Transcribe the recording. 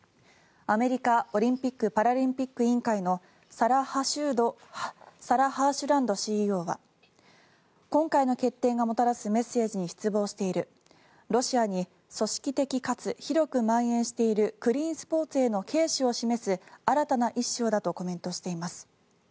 アメリカオリンピック・パラリンピック委員会のサラ・ハーシュランドＣＥＯは今回の決定がもたらすメッセージに失望しているロシアに組織的かつ広くまん延しているクリーンスポーツへの軽視を示す新たな一章だとコメントしています。